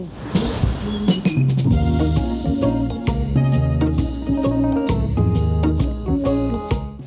ฟิตไงเฟิร์มตลอดเวลา